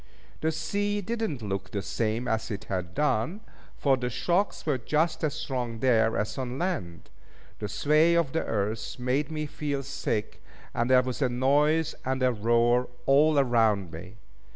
The sea did not look the same as it had done, for the shocks were just as strong there as on land. The sway of the earth made me feel sick; and there was a noise and a roar all around me.